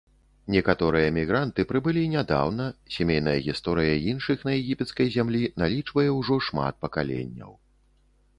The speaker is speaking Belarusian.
Некаторыя мігранты прыбылі нядаўна, сямейная гісторыя іншых на егіпецкай зямлі налічвае ўжо шмат пакаленняў.